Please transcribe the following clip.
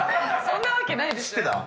そんなわけないですよ。